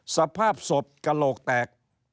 สภาพศพกระโหลกแตก